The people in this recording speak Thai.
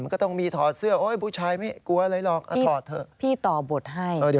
มันก็ต้องมีถอดเสื้อบุญชายไม่กลัวอะไรหรอกถอดเถอะ